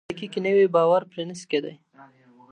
که شمېرې دقيقې نه وي باور پرې نسي کيدای.